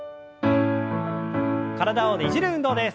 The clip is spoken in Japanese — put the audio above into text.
体をねじる運動です。